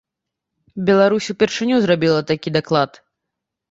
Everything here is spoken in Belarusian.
Беларусь упершыню зрабіла такі даклад.